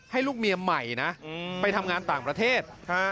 ให้ลูกเมียใหม่นะไปทำงานต่างประเทศ